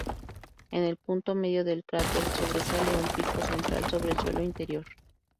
En el punto medio del cráter sobresale un pico central sobre el suelo interior.